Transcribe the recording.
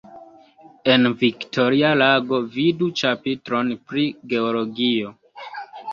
En Viktoria lago vidu ĉapitron pri Geologio.